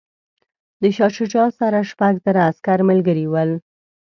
د شاه شجاع سره شپږ زره عسکر ملګري ول.